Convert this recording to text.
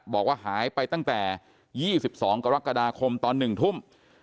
บอกว่าหายไปตั้งแต่๒๒กรกฎาคมตอน๑ทุ่ม